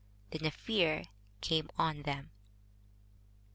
Then a fear came on them.